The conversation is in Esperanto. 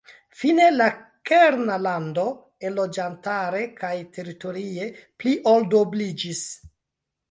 Fine la kerna lando enloĝantare kaj teritorie pli ol duobliĝis.